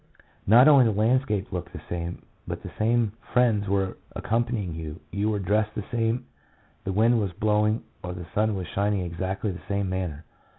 Not only the landscape looked the same, but the same friends were accompanying you, you were dressed the same, the wind was blowing or the sun was shining in exactly the same manner.